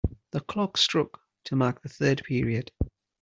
The clock struck to mark the third period.